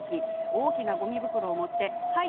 大きなごみ袋を持ってはい！